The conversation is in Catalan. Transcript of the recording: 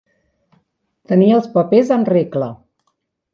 Tenir els papers en regla.